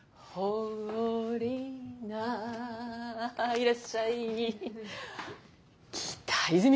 いらっしゃい。